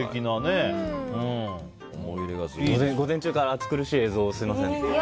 午前中から熱苦しい映像をすみません。